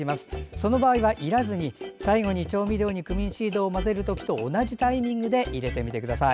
その場合は、いらずに最後に調味料にクミンシードを混ぜる時と同じタイミングで入れてください。